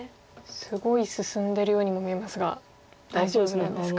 すごい進んでるようにも見えますが大丈夫なんですか。